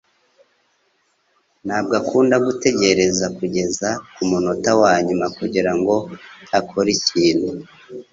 ntabwo akunda gutegereza kugeza kumunota wanyuma kugirango akore ikintu.